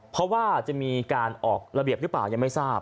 เพราะว่าจะมีการออกระเบียบหรือเปล่ายังไม่ทราบ